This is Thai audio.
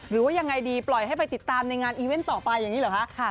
หรือว่ายังไงดีปล่อยให้ไปติดตามในงานอีเวนต์ต่อไปอย่างนี้เหรอคะ